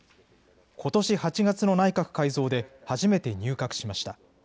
ことし８月の内閣改造で初めて入閣しました。